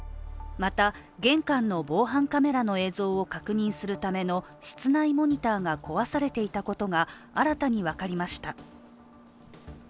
また、玄関の防犯カメラの映像を確認するための室内モニターが壊されていたことが新たに分かりました。